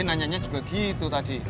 neng ani sibuk bos